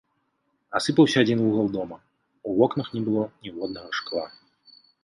Асыпаўся адзін вугал дома, у вокнах не было ніводнага шкла.